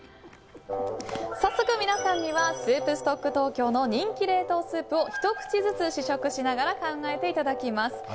早速、皆さんにはＳｏｕｐＳｔｏｃｋＴｏｋｙｏの人気冷凍スープをひと口ずつ試食しながら考えていただきます。